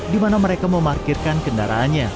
dimana mereka memarkirkan kendaraannya